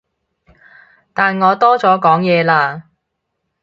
但我多咗講嘢啦